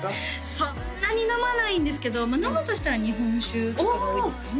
そんなに飲まないんですけど飲むとしたら日本酒とかが多いですかね